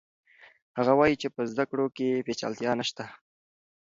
هغه وایي چې په زده کړه کې پیچلتیا نشته.